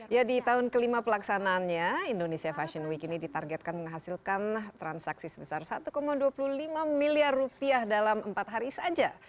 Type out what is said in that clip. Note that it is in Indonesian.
ya di tahun kelima pelaksanaannya indonesia fashion week ini ditargetkan menghasilkan transaksi sebesar satu dua puluh lima miliar rupiah dalam empat hari saja